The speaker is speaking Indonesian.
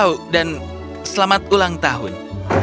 oh dan selamat ulang tahun